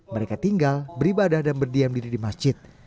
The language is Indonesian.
mereka tinggal beribadah dan berdiam diri di masjid